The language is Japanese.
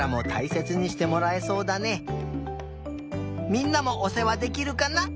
みんなもおせわできるかな？